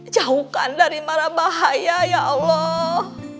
jauhkan dari marah bahaya ya allah